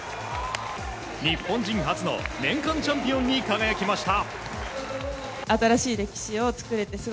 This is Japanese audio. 日本人初の年間チャンピオンに輝きました。